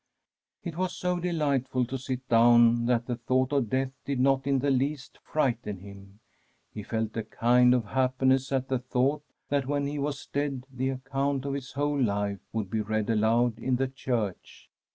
It was so delightful to sit down that the thought of death did not in the least frighten him. He felt a kind of happiness at the thought that when he was dead the account of his whole life would be read aloud in the church.